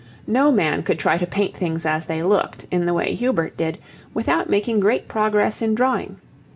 No man could try to paint things as they looked, in the way Hubert did, without making great progress in drawing.